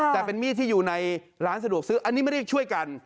แต่เป็นมีดที่อยู่ในร้านสะดวกซื้ออันนี้ไม่ได้ช่วยกัน